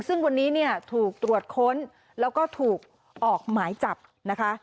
ซึ่งวันนี้เนี่ยถูกตรวจค้นแล้วก็ถูกออกหมายจับนะคะ